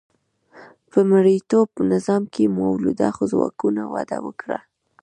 په مرئیتوب نظام کې مؤلده ځواکونو وده وکړه.